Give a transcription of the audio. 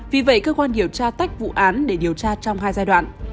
vì vậy cơ quan điều tra tách vụ án để điều tra trong hai giai đoạn